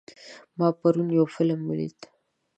ما پرون یو فلم ولید.